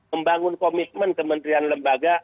membangun komitmen kementerian lembaga